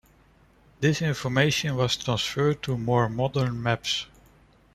This information was transferred to more modern maps.